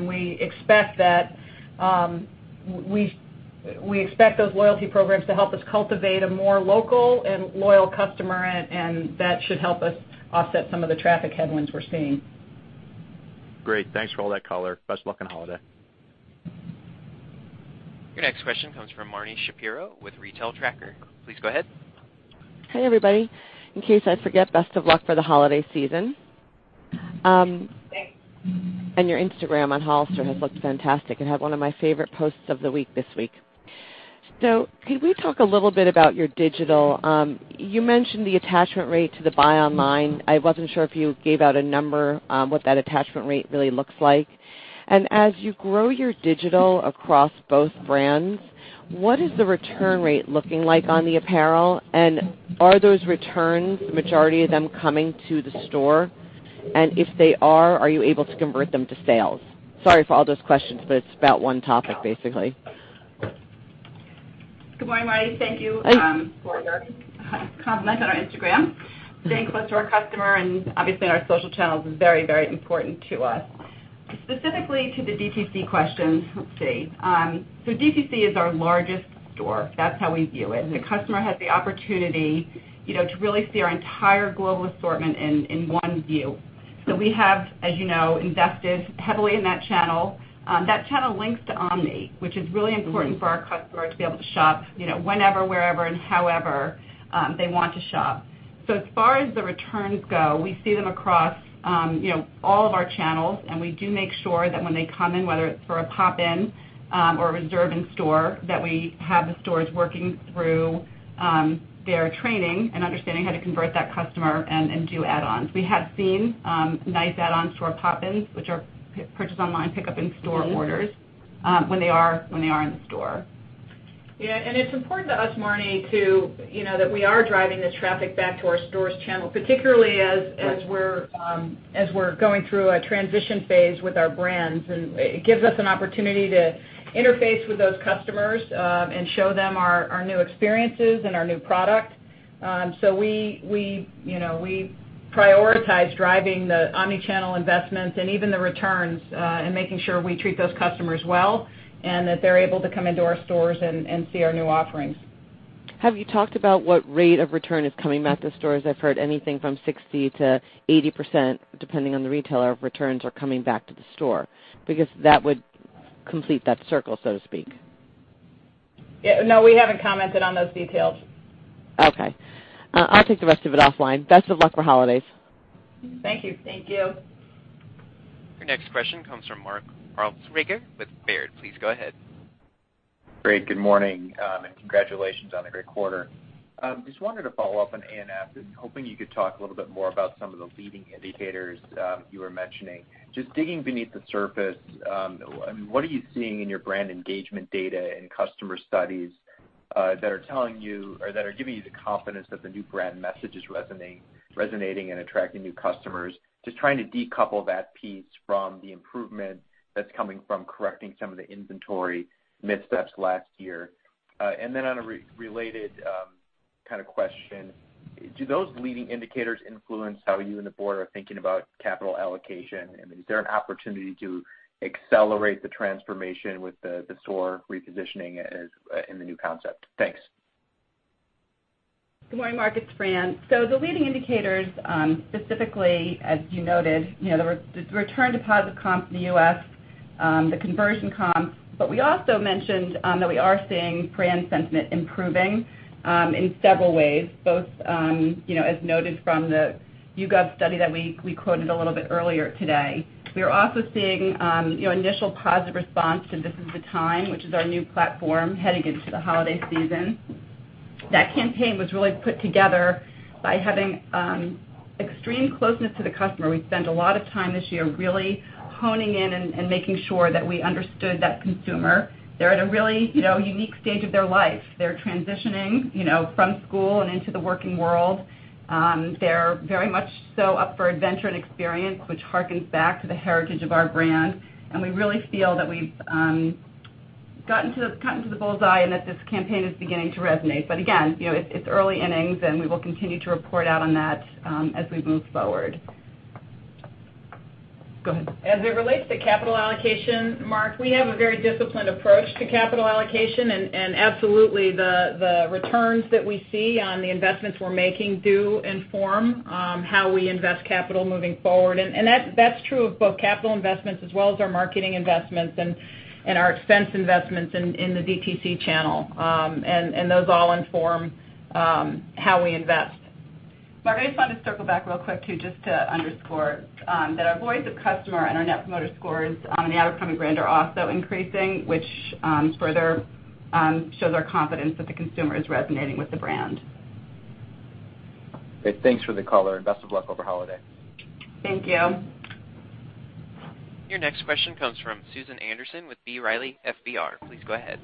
We expect those loyalty programs to help us cultivate a more local and loyal customer, and that should help us offset some of the traffic headwinds we're seeing. Great. Thanks for all that color. Best of luck on holiday. Your next question comes from Marni Shapiro with The Retail Tracker. Please go ahead. Hey, everybody. In case I forget, best of luck for the holiday season. Thanks. Your Instagram on Hollister has looked fantastic. It had one of my favorite posts of the week this week. Could we talk a little bit about your digital? You mentioned the attachment rate to the buy online. I wasn't sure if you gave out a number, what that attachment rate really looks like. As you grow your digital across both brands, what is the return rate looking like on the apparel, and are those returns, the majority of them, coming to the store? If they are you able to convert them to sales? Sorry for all those questions, but it's about one topic, basically. Good morning, Marni. Thank you for your compliment on our Instagram. Staying close to our customer and obviously our social channels is very important to us. Specifically to the DTC questions, let's see. DTC is our largest store. That's how we view it. The customer has the opportunity to really see our entire global assortment in one view. We have, as you know, invested heavily in that channel. That channel links to omni, which is really important for our customer to be able to shop whenever, wherever, and however they want to shop. As far as the returns go, we see them across all of our channels, and we do make sure that when they come in, whether it's for a pop-in or a reserve in store, that we have the stores working through their training and understanding how to convert that customer and do add-ons. We have seen nice add-ons to our pop-ins, which are purchase online, pick up in store orders when they are in the store. Yeah. It's important to us, Marni, too, that we are driving this traffic back to our stores channel, particularly as we're going through a transition phase with our brands, and it gives us an opportunity to interface with those customers and show them our new experiences and our new product. We prioritize driving the omnichannel investments and even the returns, and making sure we treat those customers well, and that they're able to come into our stores and see our new offerings. Have you talked about what rate of return is coming back to stores? I've heard anything from 60% to 80%, depending on the retailer, of returns are coming back to the store. That would complete that circle, so to speak. No, we haven't commented on those details. Okay. I'll take the rest of it offline. Best of luck for holidays. Thank you. Thank you. Your next question comes from Mark Altschwager with Baird. Please go ahead. Great. Good morning. Congratulations on a great quarter. Just wanted to follow up on A&F, hoping you could talk a little bit more about some of the leading indicators you were mentioning. Just digging beneath the surface, what are you seeing in your brand engagement data and customer studies that are giving you the confidence that the new brand message is resonating and attracting new customers? Just trying to decouple that piece from the improvement that's coming from correcting some of the inventory missteps last year. On a related kind of question, do those leading indicators influence how you and the board are thinking about capital allocation, and is there an opportunity to accelerate the transformation with the store repositioning in the new concept? Thanks. Good morning, Mark. It's Fran. The leading indicators, specifically, as you noted, the return to positive comps in the U.S., the conversion comps. We also mentioned that we are seeing brand sentiment improving in several ways, both as noted from the YouGov study that we quoted a little bit earlier today. We are also seeing initial positive response to This Is The Time, which is our new platform heading into the holiday season. That campaign was really put together by having extreme closeness to the customer. We spent a lot of time this year really honing in and making sure that we understood that consumer. They're at a really unique stage of their life. They're transitioning from school and into the working world. They're very much so up for adventure and experience, which harkens back to the heritage of our brand. We really feel that we've gotten to the bullseye and that this campaign is beginning to resonate. Again, it's early innings, and we will continue to report out on that as we move forward. Go ahead. As it relates to capital allocation, Mark, we have a very disciplined approach to capital allocation. Absolutely, the returns that we see on the investments we're making do inform how we invest capital moving forward. That's true of both capital investments as well as our marketing investments and our expense investments in the DTC channel. Those all inform how we invest. Mark, I just wanted to circle back real quick too, just to underscore that our voice of customer and our net promoter scores on the Abercrombie brand are also increasing, which further shows our confidence that the consumer is resonating with the brand. Great. Thanks for the color, and best of luck over holiday. Thank you. Your next question comes from Susan Anderson with B. Riley FBR. Please go ahead.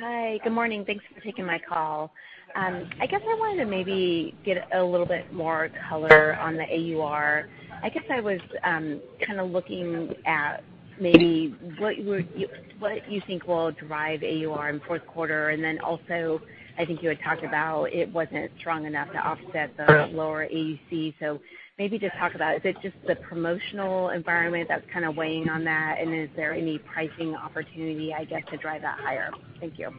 Hi. Good morning. Thanks for taking my call. I guess I wanted to maybe get a little bit more color on the AUR. I guess I was kind of looking at maybe what you think will drive AUR in fourth quarter. I think you had talked about it wasn't strong enough to offset the lower AUC. Maybe just talk about, is it just the promotional environment that's kind of weighing on that? Is there any pricing opportunity, I guess, to drive that higher? Thank you.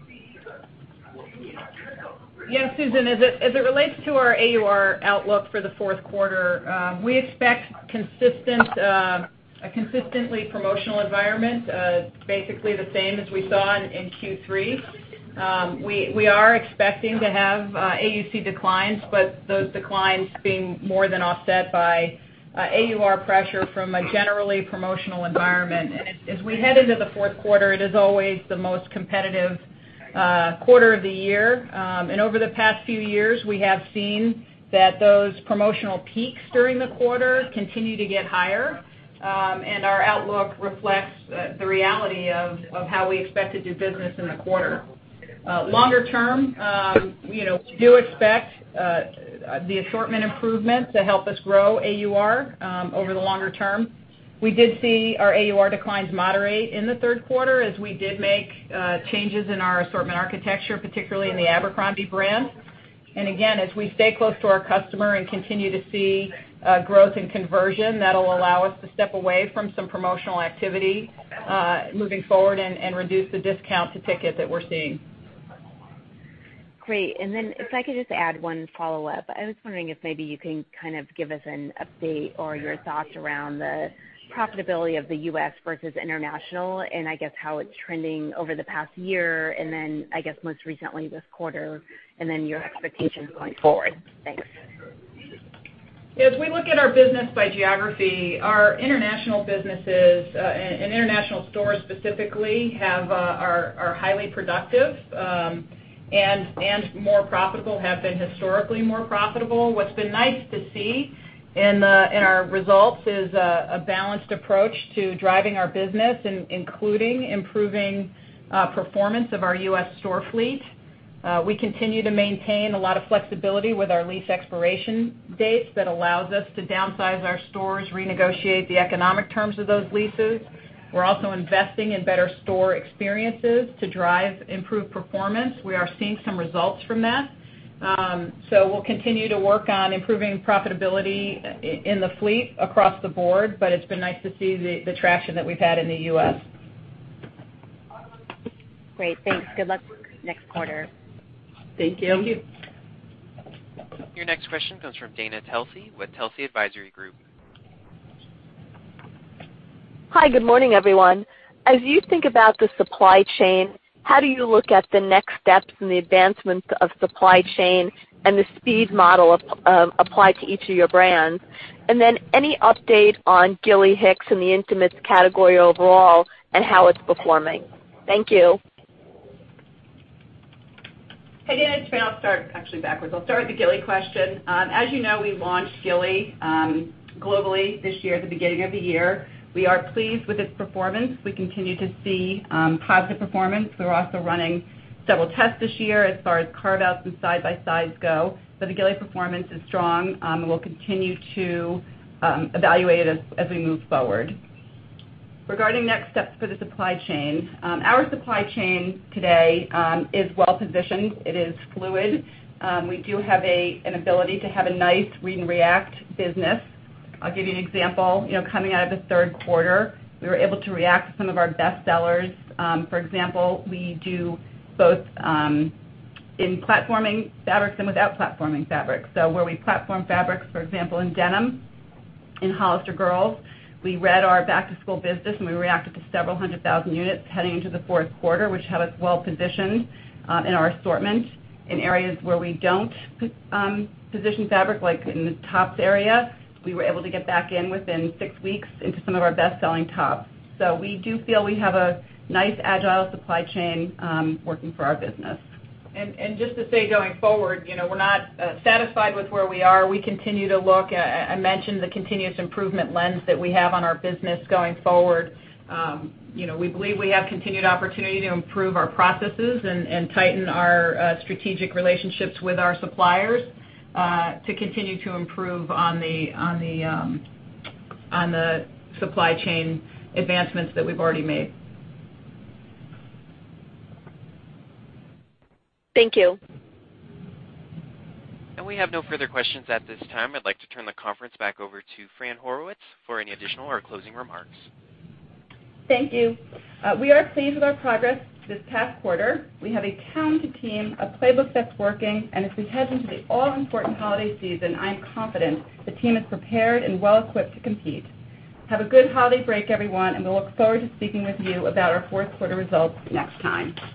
Yeah, Susan, as it relates to our AUR outlook for the fourth quarter, we expect a consistently promotional environment, basically the same as we saw in Q3. We are expecting to have AUC declines, but those declines being more than offset by AUR pressure from a generally promotional environment. As we head into the fourth quarter, it is always the most competitive quarter of the year. Over the past few years, we have seen that those promotional peaks during the quarter continue to get higher, and our outlook reflects the reality of how we expect to do business in the quarter. Longer term, we do expect the assortment improvement to help us grow AUR over the longer term. We did see our AUR declines moderate in the third quarter as we did make changes in our assortment architecture, particularly in the Abercrombie brand. Again, as we stay close to our customer and continue to see growth in conversion, that'll allow us to step away from some promotional activity moving forward and reduce the discount to ticket that we're seeing. Great. If I could just add one follow-up. I was wondering if maybe you can kind of give us an update or your thoughts around the profitability of the U.S. versus international, and I guess how it's trending over the past year, and then, I guess, most recently this quarter, and then your expectations going forward. Thanks. As we look at our business by geography, our international businesses and international stores specifically are highly productive and more profitable, have been historically more profitable. What's been nice to see in our results is a balanced approach to driving our business, including improving performance of our U.S. store fleet. We continue to maintain a lot of flexibility with our lease expiration dates that allows us to downsize our stores, renegotiate the economic terms of those leases. We're also investing in better store experiences to drive improved performance. We are seeing some results from that. We'll continue to work on improving profitability in the fleet across the board, but it's been nice to see the traction that we've had in the U.S. Great. Thanks. Good luck next quarter. Thank you. Your next question comes from Dana Telsey with Telsey Advisory Group. Hi, good morning, everyone. As you think about the supply chain, how do you look at the next steps in the advancement of supply chain and the speed model applied to each of your brands? Then any update on Gilly Hicks and the intimates category overall and how it's performing? Thank you. Hey, Dana, it's Fran. I'll start actually backwards. I'll start with the Gilly question. As you know, we launched Gilly globally this year at the beginning of the year. We are pleased with its performance. We continue to see positive performance. We're also running several tests this year as far as carve-outs and side-by-sides go. The Gilly performance is strong, and we'll continue to evaluate it as we move forward. Regarding next steps for the supply chain, our supply chain today is well-positioned. It is fluid. We do have an ability to have a nice read-and-react business. I'll give you an example. Coming out of the third quarter, we were able to react to some of our best sellers. For example, we do both in-platforming fabrics and without platforming fabrics. Where we platform fabrics, for example, in denim, in Hollister girls, we read our back-to-school business, and we reacted to several hundred thousand units heading into the fourth quarter, which had us well positioned in our assortment. In areas where we don't position fabric, like in the tops area, we were able to get back in within six weeks into some of our best-selling tops. We do feel we have a nice, agile supply chain working for our business. Just to say going forward, we're not satisfied with where we are. We continue to look. I mentioned the continuous improvement lens that we have on our business going forward. We believe we have continued opportunity to improve our processes and tighten our strategic relationships with our suppliers to continue to improve on the supply chain advancements that we've already made. Thank you. We have no further questions at this time. I'd like to turn the conference back over to Fran Horowitz for any additional or closing remarks. Thank you. We are pleased with our progress this past quarter. We have a talented team, a playbook that's working, as we head into the all-important holiday season, I am confident the team is prepared and well-equipped to compete. Have a good holiday break, everyone, we'll look forward to speaking with you about our fourth quarter results next time.